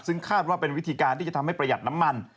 ซึ่งคาดว่าเป็นวิธีการที่จะทำให้ประหยัดน้ำมัน